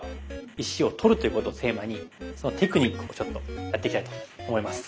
石を取るということをテーマにそのテクニックをちょっとやっていきたいと思います。